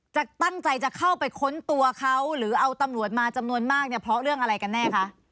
ตั้งใจจะเข้าไปค้นตัวเขาหรือเอาตำรวจมาจำนวนมากเนี่ยเพราะเรื่องอะไรกันแน่คะ